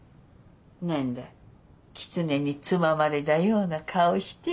何だ狐につままれたような顔して。